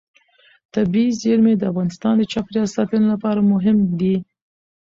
طبیعي زیرمې د افغانستان د چاپیریال ساتنې لپاره مهم دي.